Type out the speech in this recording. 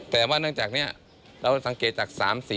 แต่ว่าเนื่องจากนี้เราสังเกตจาก๓สี